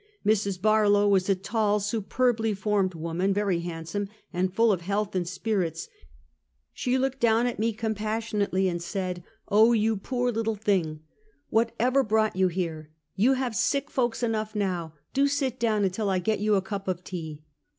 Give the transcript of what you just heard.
Mrs. Barlow was a tall, superbly formed woman, very handsome, and full of health and spirits. She looked down on me com passionately, and said: 304 Half a Century. "Oh, you poor little thing! What ever brought you here? We have sick folks enough now! Do sit down until I get you a cup of tea!